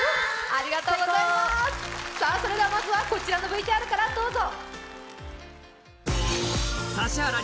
それではまずはこちらのＶＴＲからどうぞ。